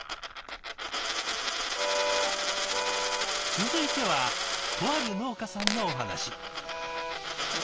続いてはとある農家さんのお話。